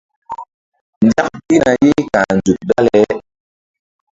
Nzak pihna ye ka̧h nzuk dale.